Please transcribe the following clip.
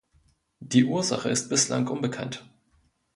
Die Ursache ist bislang unbekannt.